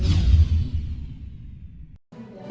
apa yang menarik dari program ini